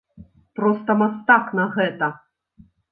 Проста мастак на гэта.